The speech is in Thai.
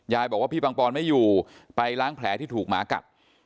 บอกว่าพี่ปังปอนไม่อยู่ไปล้างแผลที่ถูกหมากัด